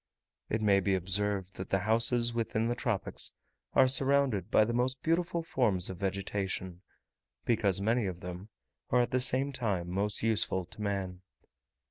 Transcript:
It may be observed, that the houses within the tropics are surrounded by the most beautiful forms of vegetation, because many of them are at the same time most useful to man.